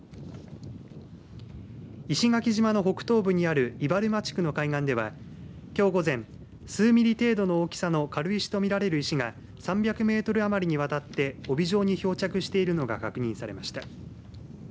石垣島の北東部にある伊原間地区の海岸ではきょう午前、数ミリ程度の大きさの軽石とみられる石が３００メートル余りにわたって帯状に漂着しているのが確認されました。